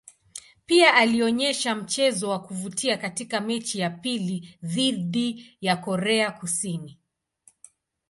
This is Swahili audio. Pia alionyesha mchezo wa kuvutia katika mechi ya pili dhidi ya Korea Kusini.